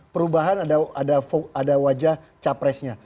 perubahan ada wajah capresnya